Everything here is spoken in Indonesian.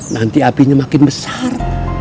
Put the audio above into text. nanti apinya makin besar